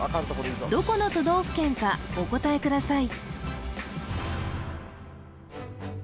どこの都道府県かお答えください